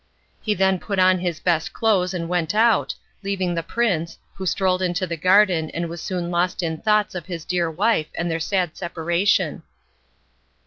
He then put on his best clothes and went out, leaving the prince, who strolled into the garden and was soon lost in thoughts of his dear wife and their sad separation.